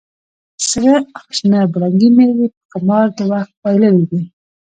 سره او شنه بنګړي مې په قمار د وخت بایللې دي